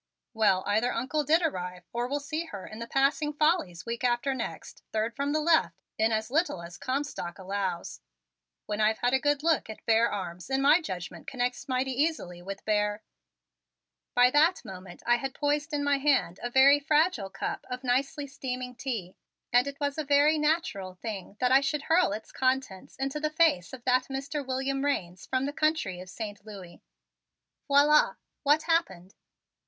"Well, either Uncle did arrive or we'll see her in the Passing Follies week after next, third from the left, in as little as Comstock allows. When I've had a good look at bare arms my judgment connects mighty easily with bare " By that moment I had poised in my hand a very fragile cup of nicely steaming tea and it was a very natural thing that I should hurl its contents in the face of that Mr. William Raines of the country of Saint Louis. Voila! What happened?